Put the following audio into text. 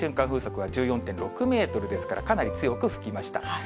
風速は１４．６メートルですから、かなり強く吹きました。